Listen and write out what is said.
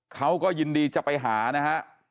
เขาก็ยินดีจะไปหานะฮะ